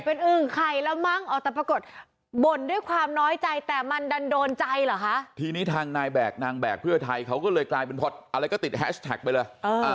เป็นอึ่งไข่แล้วมั้งอ๋อแต่ปรากฏบ่นด้วยความน้อยใจแต่มันดันโดนใจเหรอคะทีนี้ทางนายแบกนางแบกเพื่อไทยเขาก็เลยกลายเป็นพออะไรก็ติดแฮชแท็กไปเลย